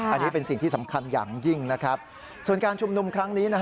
อันนี้เป็นสิ่งที่สำคัญอย่างยิ่งนะครับส่วนการชุมนุมครั้งนี้นะฮะ